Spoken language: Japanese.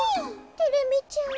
テレミちゃん。